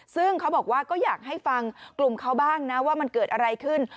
ซึ่งเขาบอกว่าก็อยากให้ฟังกลุ่มเขาบ้างนะว่ามันเกิดอะไรขึ้น